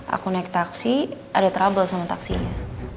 aku naik taksi ada trouble sama taksinya